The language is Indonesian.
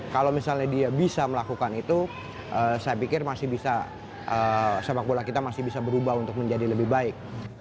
kalau misalnya dia bisa melakukan itu saya pikir masih bisa sepak bola kita masih bisa berubah untuk menjadi lebih baik